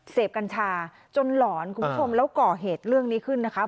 กัญชาจนหลอนคุณผู้ชมแล้วก่อเหตุเรื่องนี้ขึ้นนะคะ